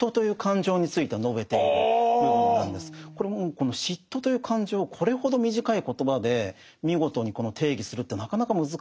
この嫉妬という感情をこれほど短い言葉で見事に定義するってなかなか難しいと思うんですね。